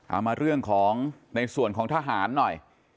เอามาเรื่องของในส่วนของทหารหน่อย